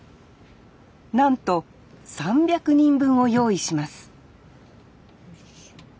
なんと３００人分を用意します